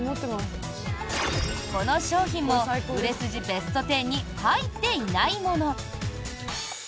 この商品も、売れ筋ベスト１０に入っていないもの。